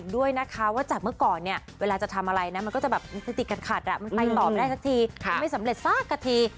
ด้วยนะคะว่าจากเมื่อก่อนเนี่ยเวลาจะทำอะไรนะมันก็จะแบบติดขัดมันไปต่อไม่ได้สักทีมันไม่สำเร็จสักกะที